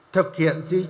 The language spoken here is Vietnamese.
thực hiện di trúc